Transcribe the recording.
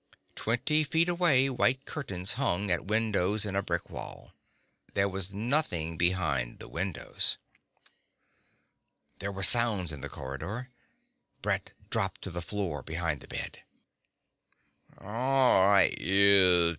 Twenty feet away white curtains hung at windows in a brick wall. There was nothing behind the windows. There were sounds in the corridor. Brett dropped to the floor behind the bed.